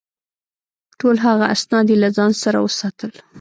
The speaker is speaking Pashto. ټول هغه اسناد یې له ځان سره وساتل.